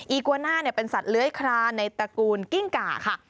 อีกวาน่าเป็นสัตว์เลื้อยคลาในตระกูลกิ้งก่าค่ะ